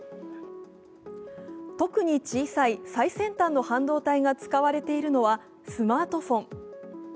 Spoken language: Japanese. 特に小さい、最先端の半導体が使われているのはスマートフォン。